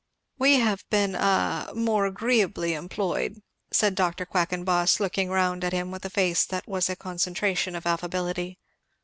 "We have been a more agreeably employed," said Dr. Quackenboss looking round at him with a face that was a concentration of affability.